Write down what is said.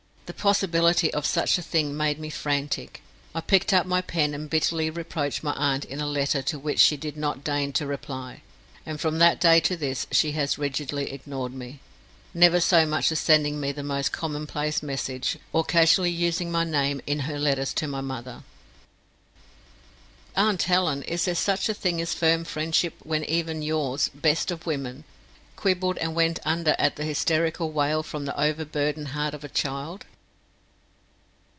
The possibility of such a thing made me frantic. I picked up my pen and bitterly reproached my aunt in a letter to which she did not deign to reply; and from that day to this she has rigidly ignored me never so much as sending me the most commonplace message, or casually using my name in her letters to my mother. Aunt Helen, is there such a thing as firm friendship when even yours best of women quibbled and went under at the hysterical wail from the overburdened heart of a child?